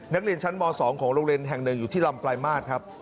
นักเรียนชั้นบ๒ของโรงเรียนแห่งเดิมอยู่ที่รำไกลมาตร